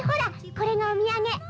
これがお土産。